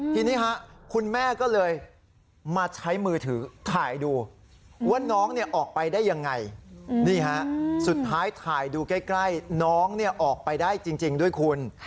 ทีนี้คุณแม่ก็เลยมาใช้มือถือถ่ายดูว่าน้องออกไปได้ยังไงนี่ฮะสุดท้ายถ่ายดูใกล้น้องออกไปได้จริงด้วยคุณ